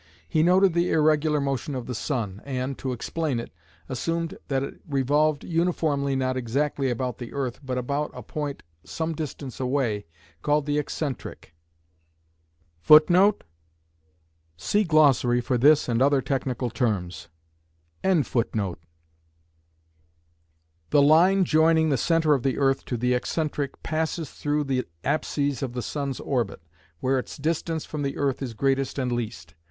He noted the irregular motion of the sun, and, to explain it, assumed that it revolved uniformly not exactly about the earth but about a point some distance away, called the "excentric". The line joining the centre of the earth to the excentric passes through the apses of the sun's orbit, where its distance from the earth is greatest and least.